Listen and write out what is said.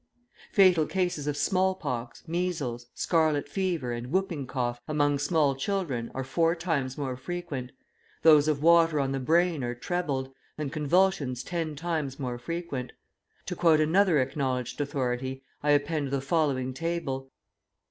Fatal cases of smallpox, measles, scarlet fever, and whooping cough, among small children, are four times more frequent; those of water on the brain are trebled, and convulsions ten times more frequent. To quote another acknowledged authority, I append the following table.